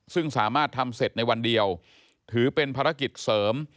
ซึ่งสามารถทำเสร็จในวันเดียวถือเป็นภารกิจเสริม